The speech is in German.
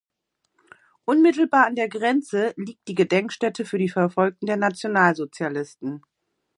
Unmittelbar an der Grenze liegt die Gedenkstätte für die Verfolgten der Nationalsozialisten.